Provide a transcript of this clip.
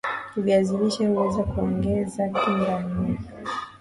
viazi lishe huweza kuongeza kinga ya mwili